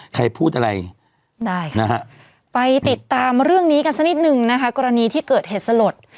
ใครพูดอะไรได้ค่ะนะฮะไปติดตามเรื่องนี้กันสักนิดนึงนะคะกรณีที่เกิดเหตุสลด